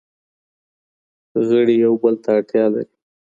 غړي یو بل ته اړتیا لري.